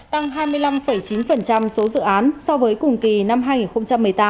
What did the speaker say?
tăng hai mươi năm chín số dự án so với cùng kỳ năm hai nghìn một mươi tám